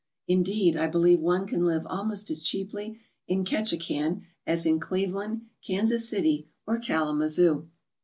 Indeed, I believe one can live almost as cheaply in Ketchikan as in Cleveland, Kansas City, or Kalamazoo.